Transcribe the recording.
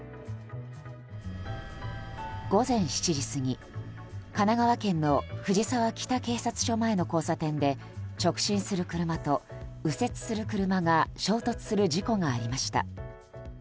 午前７時過ぎ神奈川県の藤沢北警察署前の交差点で直進する車と右折する車が衝突する事故がありました。